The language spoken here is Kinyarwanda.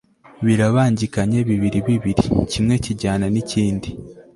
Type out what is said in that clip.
birabangikanye bibiri bibiri, kimwe kikajyana n'ikindi